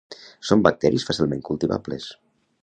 Són bacteris fàcilment cultivables.